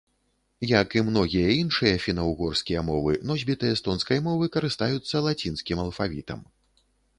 Як і многія іншыя фіна-ўгорскія мовы, носьбіты эстонскай мовы карыстаюцца лацінскім алфавітам.